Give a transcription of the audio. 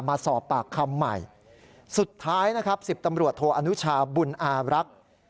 มาสอบปากคำใหม่สุดท้ายนะครับสิบตำรวจโทอนุชาบุญอารักษ์